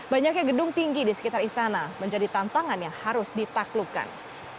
banyaknya gedung tinggi di sekitar istana menjadi tantangan yang harus ditaklukkan